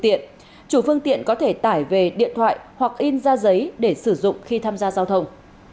tiện chủ phương tiện có thể tải về điện thoại hoặc in ra giấy để sử dụng khi tham gia giao thông